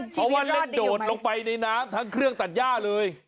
เพราะว่าเล่นโดดลงไปในน้ำทั้งเครื่องตัดย่าเลย